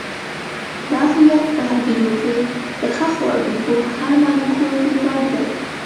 دا هویت په هدیرو کې د ښخو هډوکو په هر مالیکول کې ګډ دی.